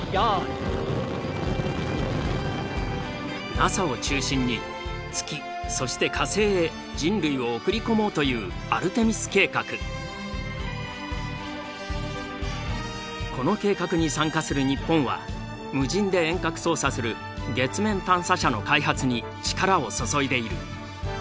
ＮＡＳＡを中心に月そして火星へ人類を送り込もうというこの計画に参加する日本は無人で遠隔操作する月面探査車の開発に力を注いでいる。